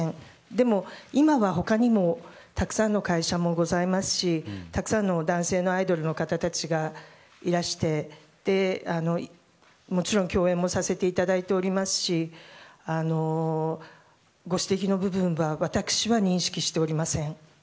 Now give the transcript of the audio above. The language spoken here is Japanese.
でも、今は他にもたくさんの会社もございますしたくさんの男性のアイドルの方たちがいらしてもちろん共演もさせていただいておりますしご指摘の部分は私は認識しておりません。